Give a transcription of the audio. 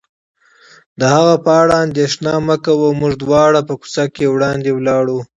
د هغه په اړه اندېښنه مه کوه، موږ دواړه په کوڅه کې وړاندې ولاړو.